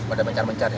pada mencar mencar ya